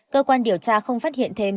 cơ quan điều tra không phát hiện thêm